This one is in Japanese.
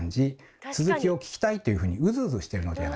「続きを聞きたい！」というふうにウズウズしてるのではないか。